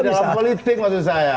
itu adalah di dalam politik maksud saya